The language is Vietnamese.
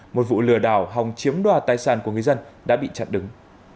một vụ lừa đảo hòng chiếm đoạt tài sản của người dân đã bị chặn đứng